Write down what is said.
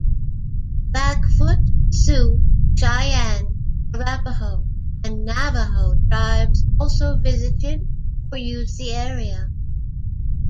Blackfoot, Sioux, Cheyenne, Arapaho, and Navaho tribes also visited or used the area.